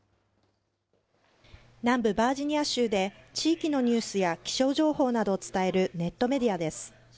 南部バージニア州で、地域のニュースや気象情報などを伝えるネットメディアです。